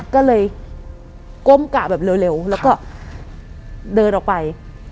ก็เลยก้มกะแบบเร็วแล้วก็เดินออกไป